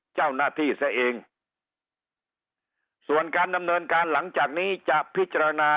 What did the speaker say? เจ้าหน้าที่ซะเองส่วนการดำเนินการหลังจากนี้จะพิจารณา